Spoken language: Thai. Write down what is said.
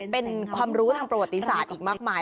เป็นความรู้ทางประวัติศาสตร์อีกมากมาย